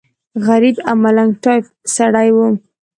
غریب او ملنګ ټایف سړی و.